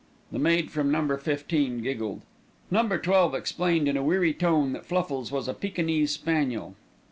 The maid from Number Fifteen giggled. Number Twelve explained in a weary tone that Fluffles was a Pekinese spaniel.